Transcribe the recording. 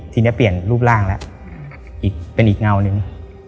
ทีนี้เปลี่ยนรูปร่างแล้วอีกเป็นอีกเงาหนึ่ง